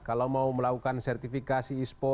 kalau mau melakukan sertifikasi ispo